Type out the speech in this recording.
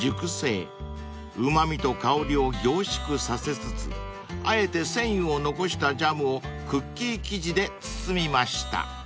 ［うま味と香りを凝縮させつつあえて繊維を残したジャムをクッキー生地で包みました］